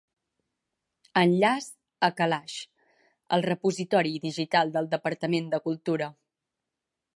Enllaç a Calaix, el repositori digital del Departament de Cultura.